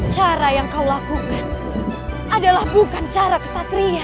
cara yang kau lakukan adalah bukan cara kesatria